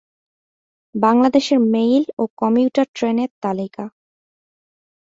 বাংলাদেশের মেইল ও কমিউটার ট্রেনের তালিকা